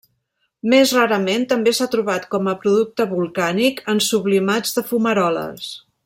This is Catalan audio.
Més rarament també s'ha trobat com a producte volcànic, en sublimats de fumaroles.